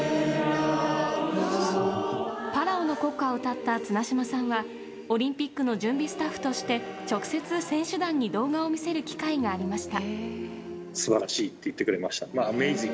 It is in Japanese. パラオの国歌を歌った綱島さんはオリンピックの準備スタッフとして直接、選手団に動画を見せる機会がありました。